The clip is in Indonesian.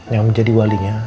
yang menjadi walinya